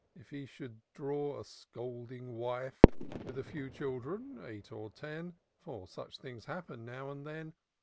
If he should draw a scolding wife, With a few children, eight or ten (For such things happen now and then).